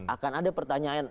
akan ada pertanyaan